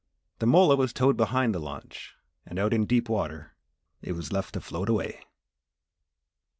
The mola was towed behind the launch and out in deep water it was left to float away.